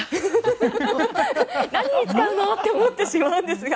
何に使うの？って思ってしまうんですが。